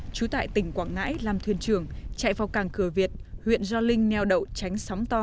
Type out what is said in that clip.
trú tại tỉnh quảng ngãi làm thuyền trưởng chạy vào cảng cửa việt huyện gio linh neo đậu tránh sóng to